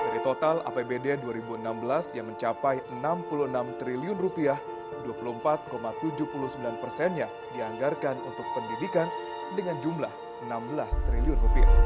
dari total apbd dua ribu enam belas yang mencapai rp enam puluh enam triliun dua puluh empat tujuh puluh sembilan persennya dianggarkan untuk pendidikan dengan jumlah rp enam belas triliun